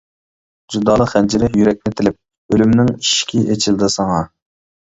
جۇدالىق خەنجىرى يۈرەكنى تىلىپ، ئۆلۈمنىڭ ئىشىكى ئېچىلدى ساڭا.